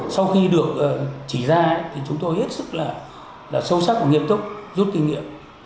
sau khi được chỉ ra thì chúng tôi hết sức là sâu sắc và nghiêm túc rút kinh nghiệm